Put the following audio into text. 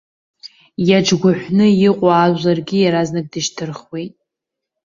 Иаҿгәыҳәны иҟоу ажәларгьы иаразнак дышьҭырхуеит.